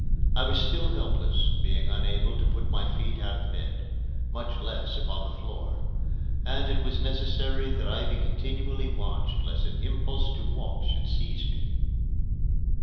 I was still helpless, being unable to put my feet out of bed, much less upon the floor, and it was necessary that I be continually watched lest an impulse to walk should seize me.